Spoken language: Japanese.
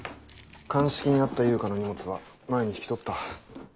鑑識にあった悠香の荷物は前に引き取った。